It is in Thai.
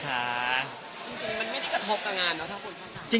จริงมันไม่ได้กระทบกับงานเหรอถ้าคนพักงาน